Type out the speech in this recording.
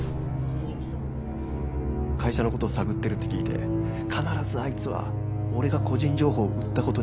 会社の事を探ってるって聞いて必ずあいつは俺が個人情報を売った事に気づく。